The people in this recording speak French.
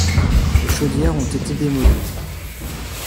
Les chaudières ont été démolies.